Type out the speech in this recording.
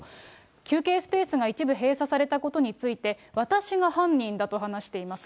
休憩スペースが一部閉鎖されたことについて、私が犯人だと話しています。